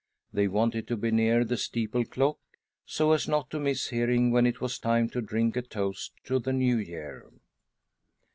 They wanted to be near the steeple clock, so as not to miss hearing when it was time to drink a toast to the New Year.